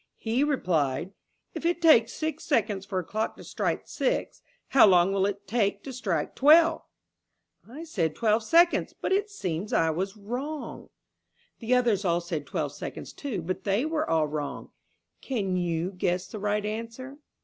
He replied, 'If it takes six seconds for a clock to strike six, how long will it take to strike twelve?' I said twelve seconds, but it seems I was wrong." The others all said twelve seconds too, but they were all wrong. Can you guess the right answer?